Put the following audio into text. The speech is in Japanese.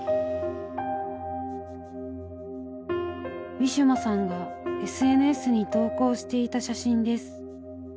ウィシュマさんがＳＮＳに投稿していた写真です。